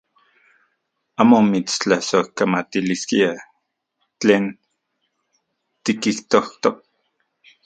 Amo mitstlasojkamatiliskia tlen tikijtojtok.